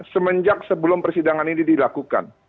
semenjak sebelum persidangan ini dilakukan